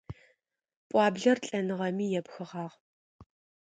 Пӏуаблэр лӏэныгъэми епхыгъагъ.